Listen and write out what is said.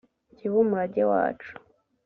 kibe umurage wacu